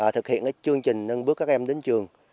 thực hiện chương trình nâng bước các em đến trường